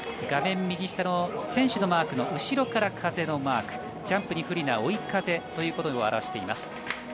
画面右下の選手のマークの後ろから風のマーク、ジャンプに不利な追い風ということを表しています。